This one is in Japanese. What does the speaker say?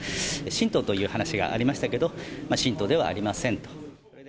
信徒という話がありましたけど、信徒ではありません。